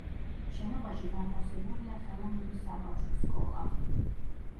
შენობაში განთავსებულია ხელოვნების საბავშვო სკოლა.